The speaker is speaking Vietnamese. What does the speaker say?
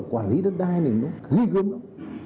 quản lý đất đai này nó ghi gớm lắm